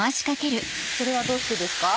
それはどうしてですか？